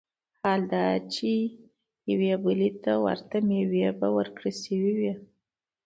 حال دا چي يوې بلي ته ورته مېوې به وركړى شوې وي